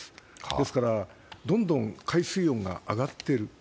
ですから、どんどん海水温が上がっている。